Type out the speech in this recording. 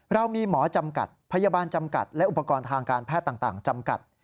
เรามีหมอจำกัดพยาบาลจำกัดและอุปกรณ์ทางการแพทย์ต่างจำกัด